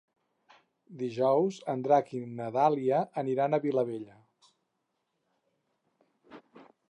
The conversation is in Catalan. Dijous en Drac i na Dàlia aniran a Vilabella.